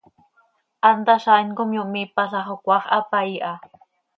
Hant hazaain com yomiipala xo cmaax hapaii ha.